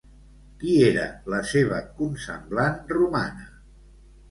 Qui era la seva consemblant romana?